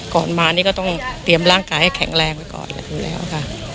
ก่อนมานี่ก็ต้องเตรียมร่างกายให้แข็งแรงไว้ก่อนอยู่แล้วค่ะ